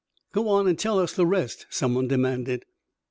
"Go on and tell us the rest," someone demanded.